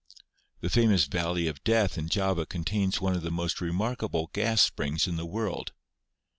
The famous Valley of Death in Java contains one of the most remarkable gas springs in the world.